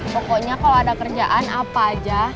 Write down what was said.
pokoknya kalau ada kerjaan apa aja